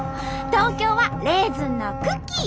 東京はレーズンのクッキー。